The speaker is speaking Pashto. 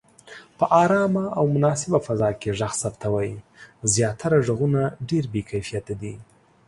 په آرامه او مناسبه فضا کې غږ ثبتوئ. زياتره غږونه ډېر بې کیفیته دي.